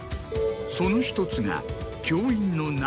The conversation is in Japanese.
その１つが。